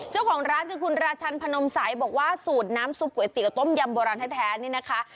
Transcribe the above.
เจ้าของร้านคือคุณราชันพนมใสบอกว่าสูตรน้ำซุปก๋วยเตี๋ยต้มยำโบราณแท้นี่นะคะ